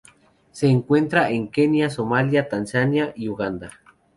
Se encuentra en Kenia Somalia Tanzania y en Uganda.